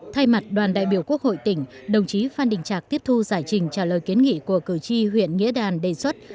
thay mặt đoàn đại biểu quốc hội tỉnh đồng chí phan đình trạc tiếp thu giải trình trả lời kiến nghị của cử tri huyện nghĩa đàn đề xuất